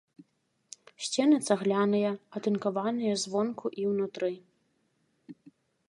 Сцены цагляныя, атынкаваныя звонку і ўнутры.